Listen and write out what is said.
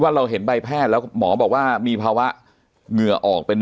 เราเห็นใบแพทย์แล้วหมอบอกว่ามีภาวะเหงื่อออกเป็น